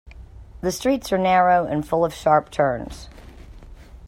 The streets are narrow and full of sharp turns.